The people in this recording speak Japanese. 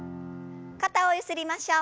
肩をゆすりましょう。